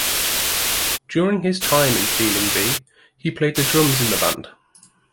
During his time in Feeling B, he played the drums in the band.